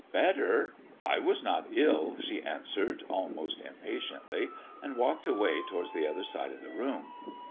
"Better! I was not ill," she answered, almost impatiently, and walked away towards the other side of the room.